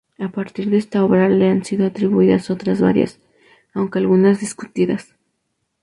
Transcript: A partir de esta obra le han sido atribuidas otras varias, aunque algunas discutidas.